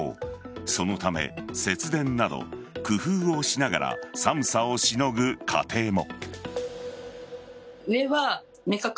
そのため節電など工夫をしながら寒さをしのぐ家庭も。